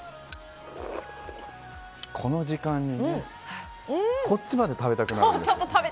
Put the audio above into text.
この時間にはこっちまで食べたくなる。